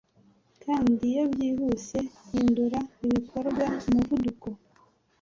Kandi, iyo byihuse, hindura ibikorwa 'umuvuduko